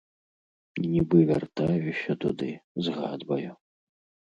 Нібы вяртаюся туды, згадваю.